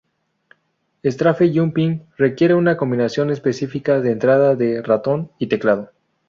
Strafe-jumping requiere una combinación específica de entrada de ratón y teclado.